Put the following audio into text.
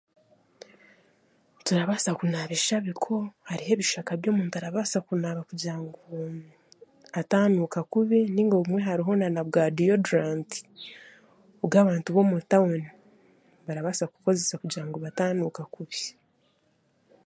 Turabaasa kunaaba eshabiko, hariho ebishaka ebi omuntu arabaasa kunaaba kugira ngu ataanuuka kubi nainga obumwe hariho n'abwa diyodoranti obu abantu b'omu tahuni barabaasa kukozesa kugira ngu bataanuuka kubi.